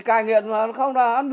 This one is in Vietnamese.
đã gây ra cho những mảnh đất